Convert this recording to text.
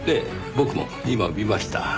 僕も今見ました。